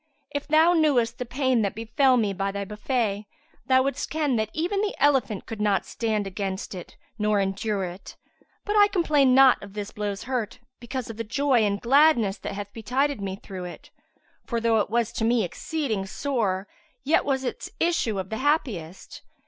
If thou knewest the pain that befel me by thy buffet, thou wouldst ken that even the elephant could not stand against it nor endure it: but I complain not of this blow's hurt, because of the joy and gladness that hath betided me through it; for though it was to me exceeding sore yet was its issue of the happiest.